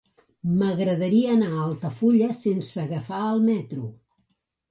M'agradaria anar a Altafulla sense agafar el metro.